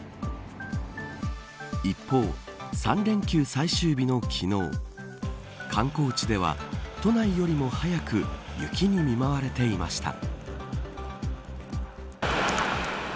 一方、３連休最終日の昨日観光地では、都内よりも早く雪に見舞われていました。